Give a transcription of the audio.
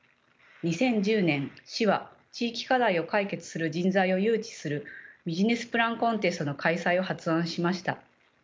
２０１０年市は地域課題を解決する人材を誘致するビジネスプランコンテストの開催を発案しました。